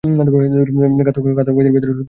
ঘাতক-ব্যক্তির ভিতরেও শুদ্ধস্বভাব আত্মা রহিয়াছেন।